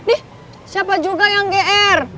ih siapa juga yang geer